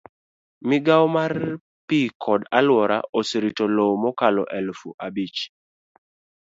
Migawo mar pi kod alwora oserito lowo mokalo aluf abich.